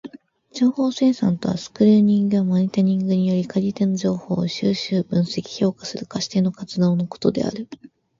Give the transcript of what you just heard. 情報生産とはスクリーニングやモニタリングにより借り手の情報を収集、分析、評価する貸し手の活動のことである。